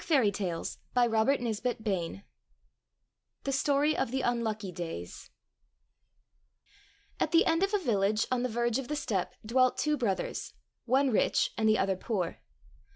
258 THE STORY OF THE UNLUCKY DAYS THE STORY OF THE UNLUCKY DAYS AT the end of a village on the verge of the steppe dwelt two brothers, one rich and the other poor.